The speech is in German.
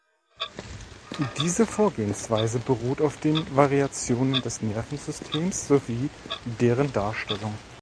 Diese Vorgehensweise beruht auf den Variationen des Nervensystems sowie deren Darstellung.